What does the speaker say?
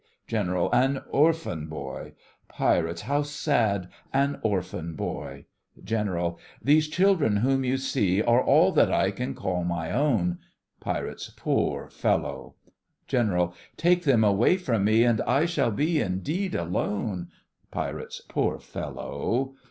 GENERAL: An orphan boy! PIRATES: How sad, an orphan boy. GENERAL: These children whom you see Are all that I can call my own! PIRATES: Poor fellow! GENERAL: Take them away from me, And I shall be indeed alone. PIRATES: Poor fellow!